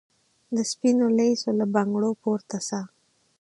د سپینو لېڅو له بنګړو پورته سه